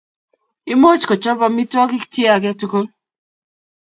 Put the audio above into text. Imuch kochop amitwogik chi ake tukul.